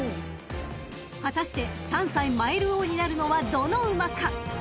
［果たして３歳マイル王になるのはどの馬か？］